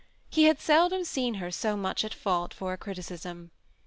He had seldom seen her so much at fault for a criticism.